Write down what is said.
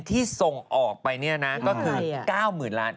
๔๐ที่ส่งออกไปเนี่ยนะก็คือ๙๐๐๐๐๐๐๐บาท